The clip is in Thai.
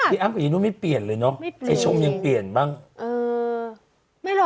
พี่อ้ำกับศรภาษณ์นุ่นไม่เปลี่ยนเลยเนอะไอ้ชมยังเปลี่ยนบ้างไม่เปลี่ยนจริงเออ